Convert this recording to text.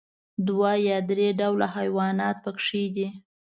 دوه یا درې ډوله حيوانات پکې دي.